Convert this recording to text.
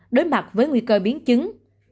đối mặt với nguy cơ biến chứng